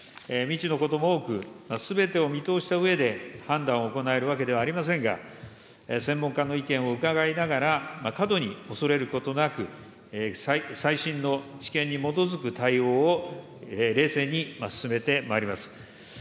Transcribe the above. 未知のことも多く、すべてを見通したうえで、判断を行えるわけではありませんが、専門家の意見を伺いながら、過度に恐れることなく、最新の知見に基づく対応を冷静に進めてまいります。